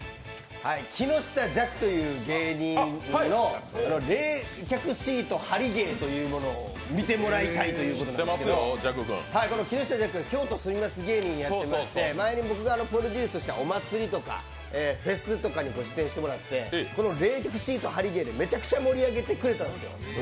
木下弱という芸人の冷却シート貼り芸というものを見てもらいたいんですけどこの木下弱、京都住みます芸人やってまして、前に僕がプロデュースしたお祭りとかフェスとかに出演してもらってこの冷却シート貼り芸をめちゃくちゃ盛り上げてくれたんですよ。